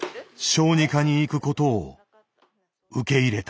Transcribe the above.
小児科に行くことを受け入れた。